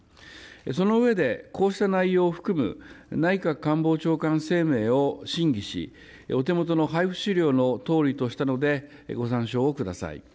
その上で、こうした内容を含む内閣官房長官声明を審議し、お手元の配布資料のとおりとしたので、ご参照ください。